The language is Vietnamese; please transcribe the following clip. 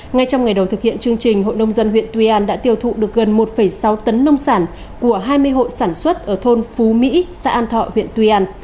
ngay trong ngày đầu thực hiện chương trình hội nông dân huyện tuy an đã tiêu thụ được gần một sáu tấn nông sản của hai mươi hộ sản xuất ở thôn phú mỹ xã an thọ huyện tuy an